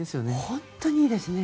本当にいいですね。